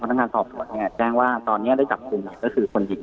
นักงานสอบสวนเนี่ยแจ้งว่าตอนนี้ได้จับกลุ่มก็คือคนหญิง